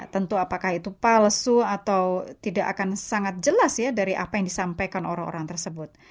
tentu apakah itu palsu atau tidak akan sangat jelas ya dari apa yang disampaikan orang orang tersebut